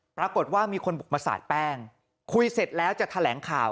ปรากฏว่ามีคนบุกมาสาดแป้งคุยเสร็จแล้วจะแถลงข่าว